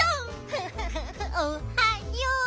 フフフフおはよう。